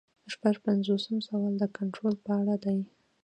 شپږ پنځوسم سوال د کنټرول په اړه دی.